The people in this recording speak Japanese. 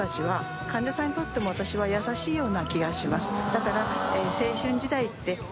だから。